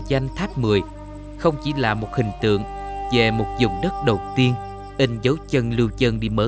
dạng gạch một mươi không chỉ là một hình tượng về một vùng đất đầu tiên hình dấu chân lưu chân đi mở